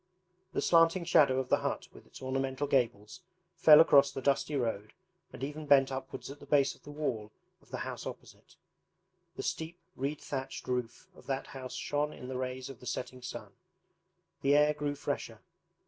The slanting shadow of the hut with its ornamental gables fell across the dusty road and even bent upwards at the base of the wall of the house opposite. The steep reed thatched roof of that house shone in the rays of the setting sun. The air grew fresher.